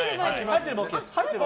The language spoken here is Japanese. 入ってればＯＫです。